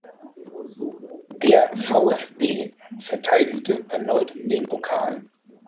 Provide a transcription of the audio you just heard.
Der VfB verteidigte erneut den Pokal.